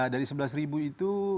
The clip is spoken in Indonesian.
dari sebelas itu